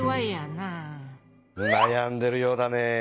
なやんでるようだねえ。